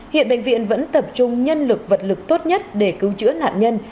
hiện bệnh viện vẫn tập trung nhân lực vật lực tốt nhất để cứu chữa nạn nhân